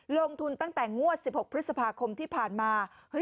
ลงทุนตั้งแต่งวด๑๖พฤษภาคมที่ผ่านมา